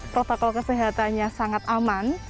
protokol kesehatannya sangat aman